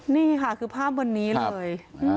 นี่ค่ะคือภาพวันนี้เลย